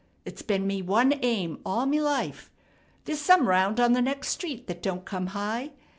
It's been me one aim all me life. There's some round on the next street that don't come high.